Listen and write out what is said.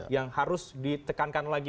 yang harus ditekankan lagi